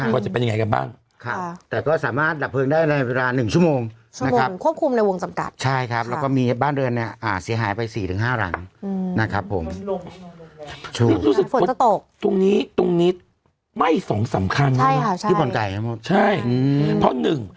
ไม่สองสำคัญใช่หรอใช่ค่ะใช่ใช่อืมเพราะหนึ่ง